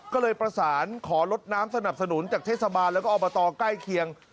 ก็เลยประสานขอลดน้ำสนับสนุนจากเทศบาลแล้วก็อบตใกล้เคียง